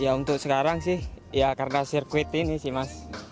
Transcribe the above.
ya untuk sekarang sih ya karena sirkuit ini sih mas